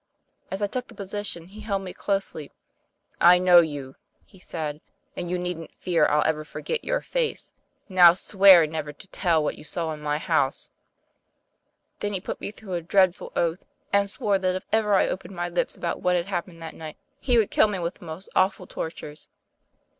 As I took the position, 1 ^eld me closely. 'I know you,' he said, 'and you needn't fear I'll ever forget your face ; now swear never to tell what you saw in my house. ' Then he put me through a dreadful oath, and swore that if ever I opened my lips about what had happened that night he would kill me with most awful tortures."